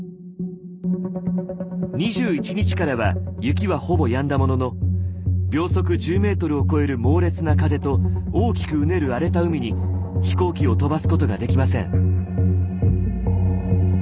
２１日からは雪はほぼやんだものの秒速１０ｍを超える猛烈な風と大きくうねる荒れた海に飛行機を飛ばすことができません。